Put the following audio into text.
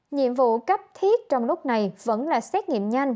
nhiệm vụ cấp thiết trong lúc này vẫn là xét nghiệm nhanh